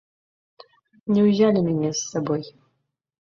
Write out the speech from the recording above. Не ўзялі мяне з сабой.